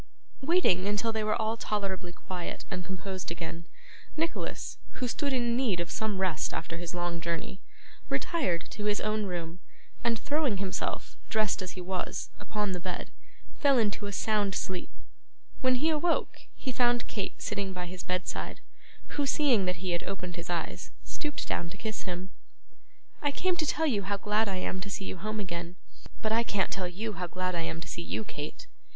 Waiting until they were all tolerably quiet and composed again, Nicholas, who stood in need of some rest after his long journey, retired to his own room, and throwing himself, dressed as he was, upon the bed, fell into a sound sleep. When he awoke, he found Kate sitting by his bedside, who, seeing that he had opened his eyes, stooped down to kiss him. 'I came to tell you how glad I am to see you home again.' 'But I can't tell you how glad I am to see you, Kate.